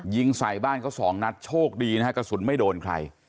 ยิงใส่บ้านเขาสองนัดโชคดีนะฮะกระสุนไม่โดนใคร